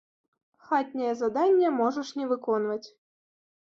Хатняе заданне можаш не выконваць.